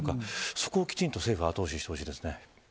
そこをきちんと政府は後押ししてほしいですね。